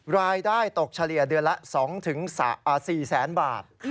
รายได้ตกเฉลี่ยเดือนละ๒๔แสนบาท